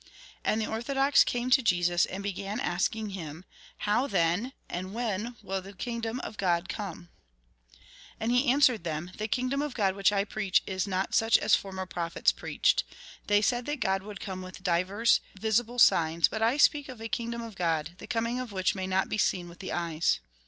'' And the orthodox came to Jesus, and began 42 THE GOSPEL IN BRIEF asking him :" How, then, and when, will the kingdom of God come ?" And he answered them :" The kingdom of God which I preach is not such as former prophets preached. They said that God would come with divers visible signs, but I speak of a kingdom of God, the coming of which may not be seen with the eyes.